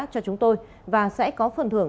cho chúng tôi và sẽ có phần thưởng